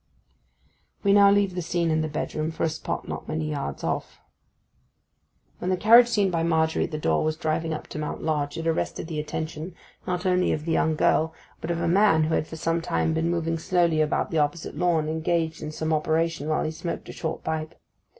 We now leave the scene in the bedroom for a spot not many yards off. When the carriage seen by Margery at the door was driving up to Mount Lodge it arrested the attention, not only of the young girl, but of a man who had for some time been moving slowly about the opposite lawn, engaged in some operation while he smoked a short pipe.